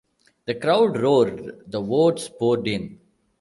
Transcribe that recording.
The crowd roared, the vote's poured in.